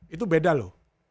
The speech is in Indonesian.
itu beda loh